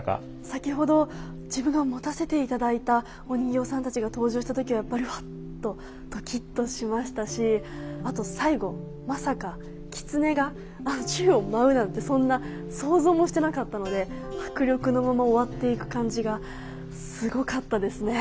先ほど自分が持たせていただいたお人形さんたちが登場した時はやっぱりハッとドキッとしましたしあと最後まさか狐が宙を舞うなんてそんな想像もしてなかったので迫力のまま終わっていく感じがすごかったですね。